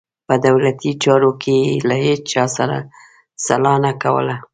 په دولتي چارو کې یې له هیچا سره سلا نه کوله.